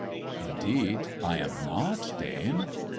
" Indeed, I am not, dame."